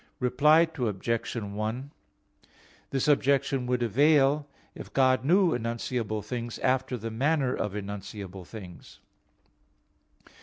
Reply Obj. 1: This objection would avail if God knew enunciable things after the manner of enunciable things.